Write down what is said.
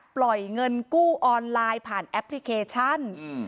ปล่อยเงินกู้ออนไลน์ผ่านแอปพลิเคชัน